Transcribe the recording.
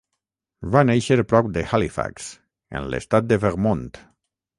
Va néixer prop de Halifax, en l'estat de Vermont.